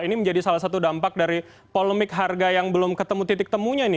ini menjadi salah satu dampak dari polemik harga yang belum ketemu titik temunya ini